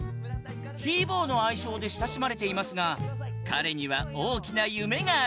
ヒー坊の愛称で親しまれていますが彼には大きな夢があります